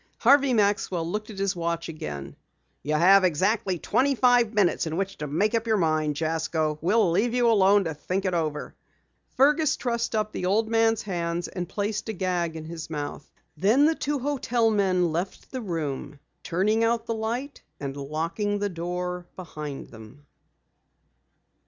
Harvey Maxwell looked at his watch again. "You have exactly twenty five minutes in which to make up your mind, Jasko. We'll leave you alone to think it over." Fergus trussed up the old man's hands and placed a gag in his mouth. Then the two hotel men left the room, turning out the light and locking the door behind them.